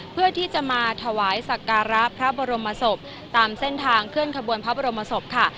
เพื่อที่จะมาถวายสักการะพระบรมศพตามเส้นทางเคลื่อนขบวนพระบรมศพค่ะ